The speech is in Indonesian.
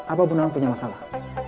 apa bunawang punya masalah